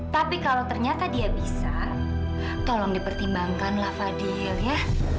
tapi kalau ternyata dia bisa tolong dipertimbangkanlah fadil ya